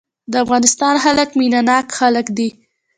د افغانستان خلک مينه ناک خلک دي.